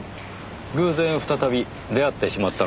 偶然再び出会ってしまったのですか？